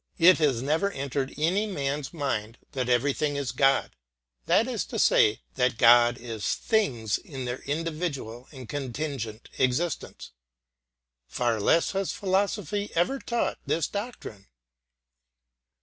It has never entered any man's mindthat everything is God; that is to say, that God is things in their individual and contingent existence. Far less has philosophy ever taught this doctrine.